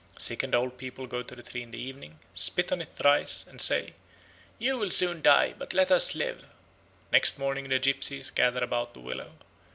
Sick and old people go to the tree in the evening, spit on it thrice, and say, "You will soon die, but let us live." Next morning the gypsies gather about the willow.